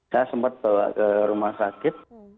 saya sempat bawa ke rumah sakit